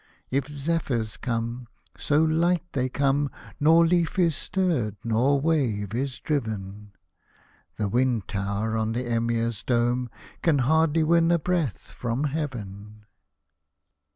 If zephyrs come, so light they come, Nor leaf is stirred nor wave is driven ;— The wind tower on the Emir's dome Can hardly win a breath from heaven.